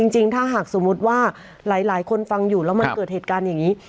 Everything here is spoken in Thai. จริงถ้าหากสมมุติว่าหลายคนฟังอยู่แล้วมันเกิดเหตุการณ์อย่างนี้